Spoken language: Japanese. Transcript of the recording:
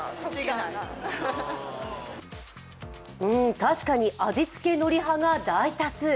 確かに、味付けのり派が大多数。